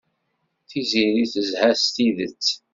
Tiziri tezha s tidet.